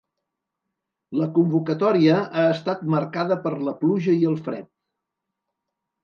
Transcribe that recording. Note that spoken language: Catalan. La convocatòria ha estat marcada per la pluja i el fred.